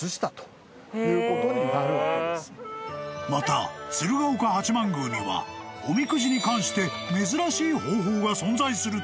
［また鶴岡八幡宮にはおみくじに関して珍しい方法が存在するという］